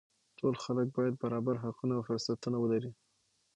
ټول خلک باید برابر حقونه او فرصتونه ولري